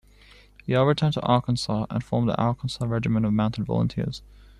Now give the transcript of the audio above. Yell returned to Arkansas and formed the Arkansas Regiment of Mounted Volunteers.